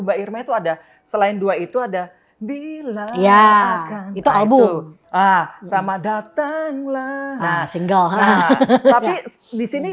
mbak irma itu ada selain dua itu ada bila akan taibul ah sama datanglah single nah tapi disini